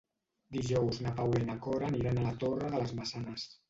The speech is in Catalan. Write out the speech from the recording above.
Dijous na Paula i na Cora aniran a la Torre de les Maçanes.